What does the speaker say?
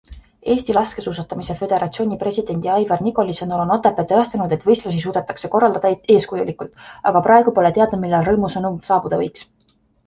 Eesti Laskesuusatamise Föderatsiooni presidendi Aivar Nigoli sõnul on Otepää tõestanud, et võistlusi suudetakse korraldada eeskujulikult, aga praegu pole teada, millal rõõmusõnum saabuda võiks.